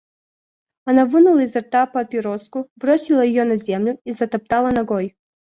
Она вынула изо рта папироску, бросила её на землю и затоптала ногой.